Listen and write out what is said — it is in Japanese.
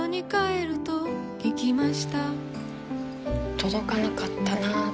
届かなかったな。